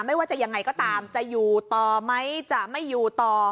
ไม่ว่าจะยังไงก็ตามจะอยู่ต่อไหมจะไม่อยู่ต่อ